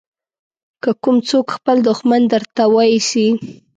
که کوم څوک خپل دښمن درته واېسي.